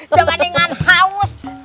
jangan dengan haus